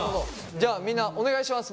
じゃあみんなお願いします。